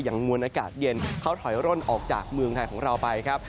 มวลอากาศเย็นเขาถอยร่นออกจากเมืองไทยของเราไปครับ